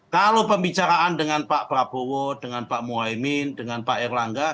kalau pembicaraan dengan pak prabowo dengan pak muhaymin dengan pak erlangga